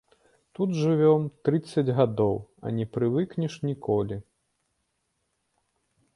Тут жывём, трыццаць гадоў, а не прывыкнеш, ніколі.